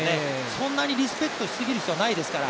そんなにリスペクトしすぎる必要はないですから。